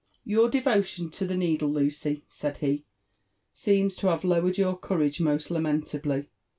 '' Yourdevolion to the needle, Lucy," said he, ''seems to have lowered your courage most lamentably.